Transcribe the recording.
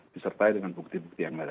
disertai dengan bukti bukti yang ada